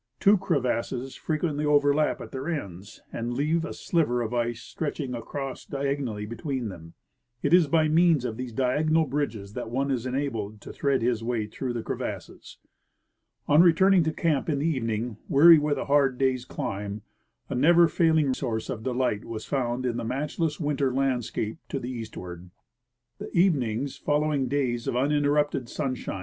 Two crevasses frequently overlap at their ends and leave a sliver of ice stretching across diagonally between them. It is by means of these diagonal bridges that one is enabled to thread his way through the crevasses. On returning to camp in the evening, weary with a hard day's climb, a never failing source of delight was found in the match less winter landscape to the eastward. The evenings following days of uninterrupted sunshii:i.